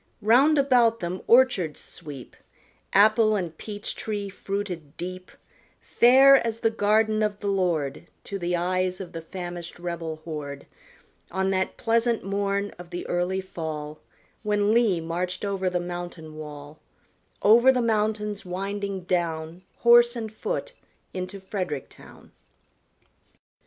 Round about them orchards sweep, Apple and peach tree fruited deep, Fair as the garden of the Lord To the eyes of the famished rebel horde, On that pleasant morn of the early fall When Lee marched over the mountain wall, Over the mountains winding down, Horse and foot, into Frederick town.